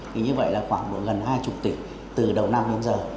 thì như vậy là khoảng gần hai mươi tỷ từ đầu năm đến giờ